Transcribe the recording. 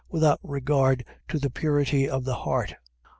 without regard to the purity of the heart.